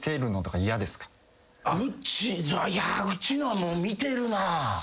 いやうちのはもう見てるなぁ。